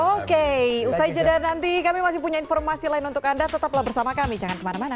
oke usai jeda nanti kami masih punya informasi lain untuk anda tetaplah bersama kami jangan kemana mana